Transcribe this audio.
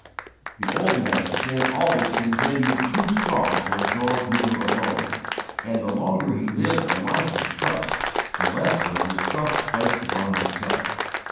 The 'old man,' of sin always continued too strong for George Muller alone, and the longer he lived a 'life of trust' the less was his trust placed upon himself.